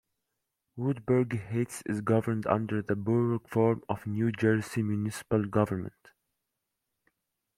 Woodbury Heights is governed under the Borough form of New Jersey municipal government.